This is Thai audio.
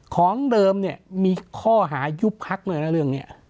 ของเดิมเนี่ยมีข้อหายุบพักด้วยนะเรื่องนี้